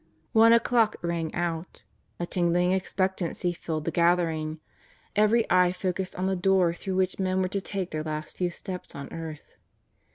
One o'clock rang out. A tingling expectancy filled the gathering. Every eye focused on the door through which men were to take their last few steps on earth.